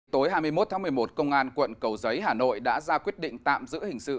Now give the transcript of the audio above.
tối hai mươi một tháng một mươi một công an quận cầu giấy hà nội đã ra quyết định tạm giữ hình sự